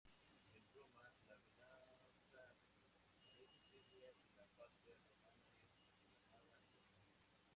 En Roma, la amenaza parece seria, y la patria romana es proclamada en peligro.